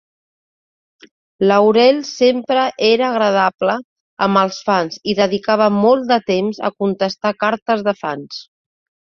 Laurel sempre era agradable amb els fans i dedicava molt de temps a contestar cartes de fans.